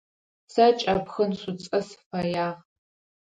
Сэ кӏэпхын шӏуцӏэ сыфэягъ.